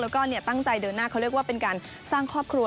แล้วก็ตั้งใจเดินหน้าเขาเรียกว่าเป็นการสร้างครอบครัว